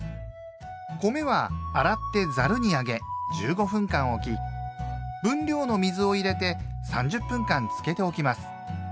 米は洗ってざるに上げ１５分間おき分量の水を入れて３０分間つけておきます。